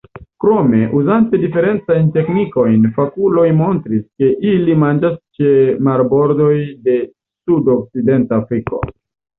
Krome, uzante diferencajn teknikojn, fakuloj montris, ke ili manĝas ĉe marbordoj de sudokcidenta Afriko.